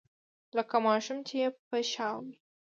لکه ماشوم چې يې په شا وي.